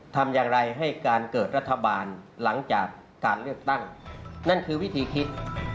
ทำอย่างไรให้การเกิดรัฐบาลหลังจากการเลือกตั้งนั่นคือวิธีคิด